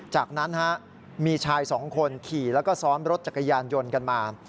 จากนั้นมีชายสองคนขี่แล้วก็ซ้อนรถจักรยานยนต์กันมา